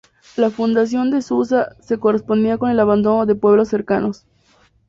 La fundación de Susa se correspondía con el abandono de pueblos cercanos.